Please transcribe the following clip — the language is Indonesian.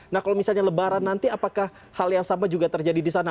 nah kalau misalnya lebaran nanti apakah hal yang sama juga terjadi di sana